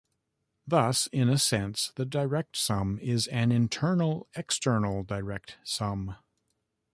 Thus, in a sense, the direct sum is an "internal" external direct sum.